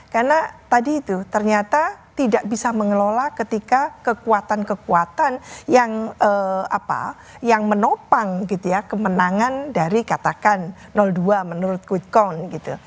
karena tadi itu ternyata tidak bisa mengelola ketika kekuatan kekuatan yang menopang kemenangan dari katakan dua menurut quidcon gitu